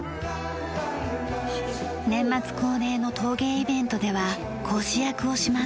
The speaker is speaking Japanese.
年末恒例の陶芸イベントでは講師役をします。